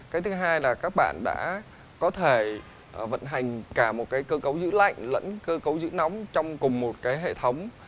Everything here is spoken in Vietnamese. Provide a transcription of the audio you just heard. cái thứ hai là các bạn đã có thể vận hành cả một cái cơ cấu giữ lạnh lẫn cơ cấu giữ nóng trong cùng một cái hệ thống